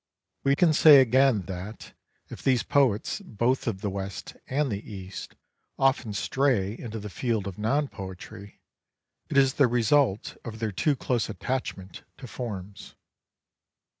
We can say again that, if these poets both of the West and the East often stray into the field of non poetry, it IS the result of their too close attachment to forms.